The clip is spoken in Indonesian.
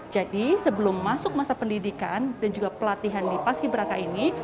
jadi sebelum masuk masa pendidikan dan juga pelatihan di paski beraka ini